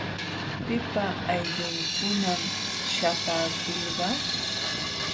¿Pipa aylllunkunam śhapaakulqa?